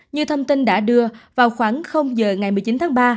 như thông tin đã đưa vào khoảng giờ ngày một mươi chín tháng ba